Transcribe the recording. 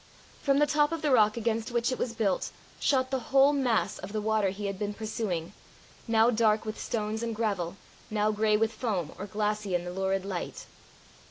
From the top of the rock against which it was built, shot the whole mass of the water he had been pursuing, now dark with stones and gravel, now grey with foam, or glassy in the lurid light.